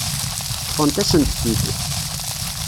Ṭṭfent-asent-t-id.